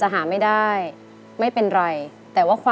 หมายเลข๔ค่ะ